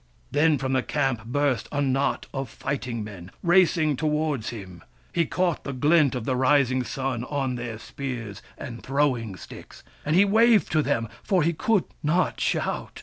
Then from the camp burst a knot of fighting men, racing towards him. He caught the glint of the rising sun on their spears and throwing sticks ; and he waved to them, for he could not shout.